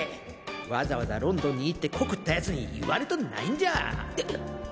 わざわざロンドンに行って告った奴に言われとないんじゃ！